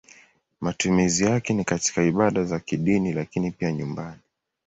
Matumizi yake ni katika ibada za kidini lakini pia nyumbani.